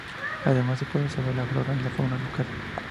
Además, se puede observar la flora y fauna local.